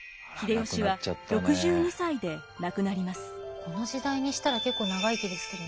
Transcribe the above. この時代にしたら結構長生きですけどね。